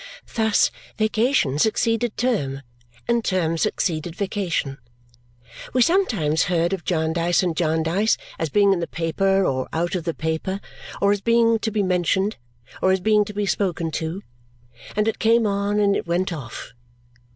Thus, vacation succeeded term, and term succeeded vacation. We sometimes heard of Jarndyce and Jarndyce as being in the paper or out of the paper, or as being to be mentioned, or as being to be spoken to; and it came on, and it went off.